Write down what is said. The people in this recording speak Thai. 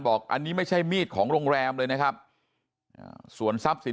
บอกอันนี้ไม่ใช่มีดของโรงแรมเลยนะครับส่วนทรัพย์สิน